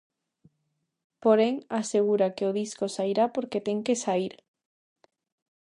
Porén, asegura que "o disco sairá porque ten que saír".